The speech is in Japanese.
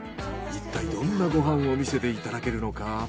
いったいどんなご飯を見せていただけるのか。